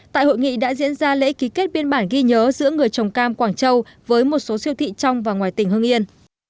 tại hội nghị đã diễn ra lễ ký kết biên bản ghi nhớ giữa người trồng cam quảng châu với một số siêu thị trong và ngoài tỉnh hương yên